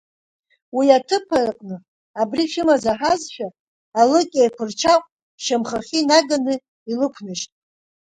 Уи аҭыԥ аҟны, абри шәымаз аҳәазшәа, алыкь еиқәырчаҟә шьамхахьы инаган илықәнажьт.